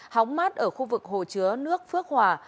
hóng mát ở khu vực hồ chứa nước phước hòa